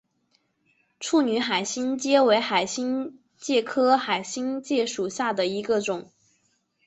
处女海星介为海星介科海星介属下的一个种。